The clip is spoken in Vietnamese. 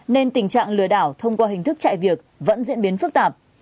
nên tình trạng lừa đảo thông qua hình thức chạy việc vẫn diễn biến phức tạp